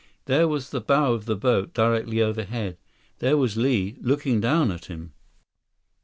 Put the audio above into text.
There was the bow of the boat, directly overhead. There was Li, looking down at him.